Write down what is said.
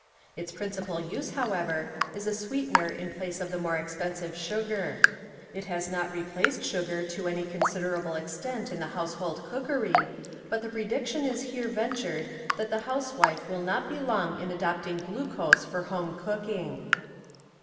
Its principal use, however, is a sweetener in place of the more expensive sugar. It has not replaced sugar to any consid erable extent in the household cookery, but the prediction is here ventured that the housewife will not be long in adopting glucose for home cooking.